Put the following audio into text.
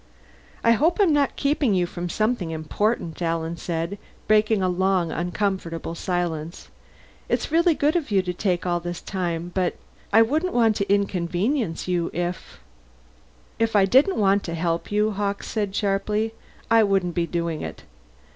"I hope I'm not keeping you from something important," Alan said, breaking a long uncomfortable silence. "It's really good of you to take all this time, but I wouldn't want to inconvenience you if " "If I didn't want to help you," Hawkes said sharply, "I wouldn't be doing it.